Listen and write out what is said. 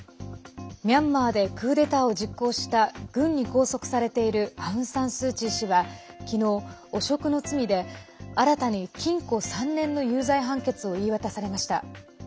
ミャンマーでクーデターを実行した軍に拘束されているアウン・サン・スー・チー氏は昨日、汚職の罪で新たに禁錮３年の有罪判決を言い渡されました。